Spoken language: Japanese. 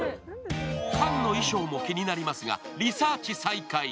菅の衣装も気になりますが、リサーチ再開。